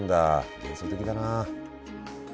幻想的だな。